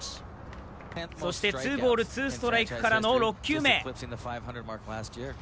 そしてツーボール・ツーストライクからの６球目。